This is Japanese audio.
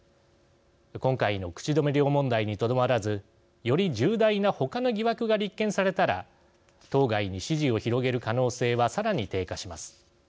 今回の口止め料問題にとどまらずより重大な他の疑惑が立件されたら党外に支持を広げる可能性はさらに低下します。